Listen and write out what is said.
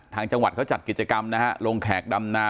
ทางจังหวัดเขาจัดกิจกรรมนะฮะลงแขกดำนา